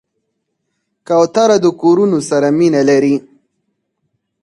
کوتره د کورونو سره مینه لري.